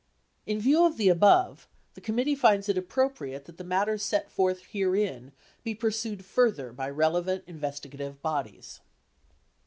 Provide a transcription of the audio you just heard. In view of the above, the committee finds it appropriate that the matters set forth herein be pursued further by relevant investigative bodies.